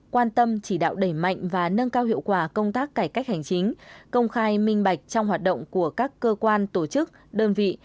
quan tâm chỉ đạo đẩy mạnh và nâng cao hiệu quả công tác cải cách hành chính công khai minh bạch trong hoạt động của các cơ quan tổ chức đơn vị